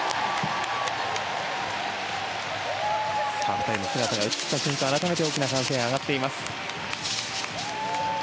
２人の姿が映った瞬間改めて大きな歓声が上がっています。